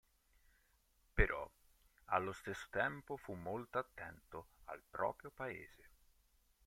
Però allo stesso tempo fu molto attento al proprio paese.